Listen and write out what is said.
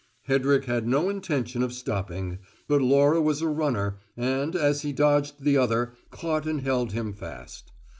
Hedrick had no intention of stopping, but Laura was a runner, and, as he dodged the other, caught and held him fast.